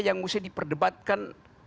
yang harus diperdebatkan